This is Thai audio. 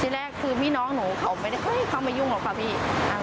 แรกคือพี่น้องหนูเขาไม่ได้ค่อยเข้ามายุ่งหรอกค่ะพี่